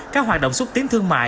các hoạt động xuất tiến thương mại